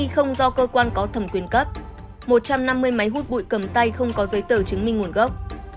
không do cơ quan có thẩm quyền cấp một trăm năm mươi máy hút bụi cầm tay không có giấy tờ chứng minh nguồn gốc